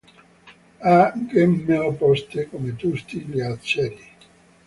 Ha gemme opposte, come tutti gli aceri.